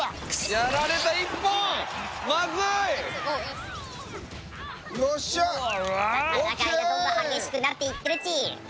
戦いがドンドン激しくなっていってるッチ。